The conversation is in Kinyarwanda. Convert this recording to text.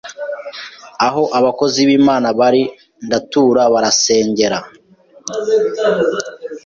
aho abakozi b’Imana bari ndatura barasengera